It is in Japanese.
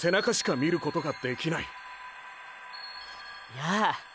やあ。